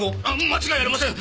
間違いありません！